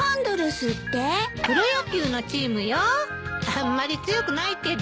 あんまり強くないけど。